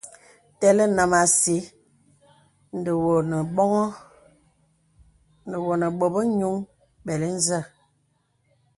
Tə̀lə nàm àsi nde wô ne bobə̄ yūŋ bəli nzə.